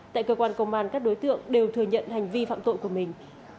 tại cơ quan công an các đối tượng đều thừa nhận hành vi phạm tội của mình